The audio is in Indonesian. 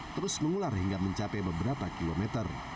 terus mengular hingga mencapai beberapa kilometer